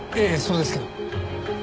ええそうですけど。